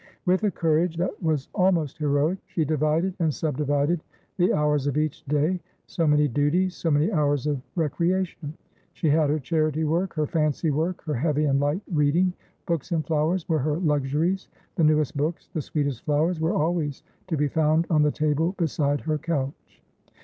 With a courage that was almost heroic, she divided and subdivided the hours of each day so many duties, so many hours of recreation. She had her charity work, her fancy work, her heavy and light reading; books and flowers were her luxuries; the newest books, the sweetest flowers, were always to be found on the table beside her couch.